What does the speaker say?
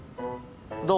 どう？